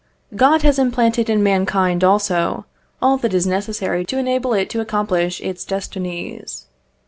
God has implanted in mankind, also, all that is necessary to enable it to accomplish its destinies.